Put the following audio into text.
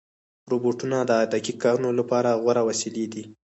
روبوټونه د دقیق کارونو لپاره غوره وسیلې دي.